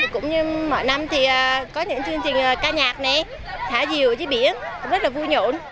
cũng như mỗi năm thì có những chương trình ca nhạc này thả diều dưới biển rất là vui nhộn